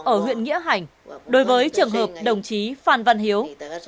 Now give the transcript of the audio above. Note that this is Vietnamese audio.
ở huyện nghĩa hành đối với trường hợp đồng chí phan văn hiếu